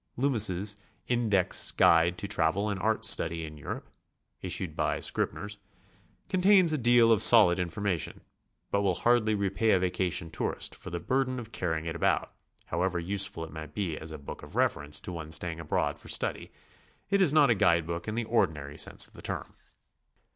Loomis's 'Tndex Guide to Travel and Art Study in Europe," issued by Scribner's, contains a deal of solid infor mation, but will hardly repay a vacation tourist for the bur den of carrying it about, however useful it might be as a book of reference to one staying abroad for study; it is not a guide book in the ordinary sense of the term.